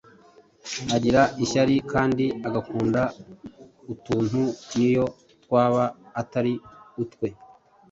agira ishyari kandi agakunda utuntu n'iyo twaba atari utwe.